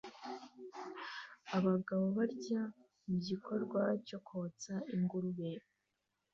Abagabo barya mugikorwa cyo kotsa ingurube